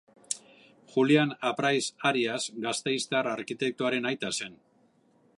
Julian Apraiz Arias gasteiztar arkitektoaren aita zen.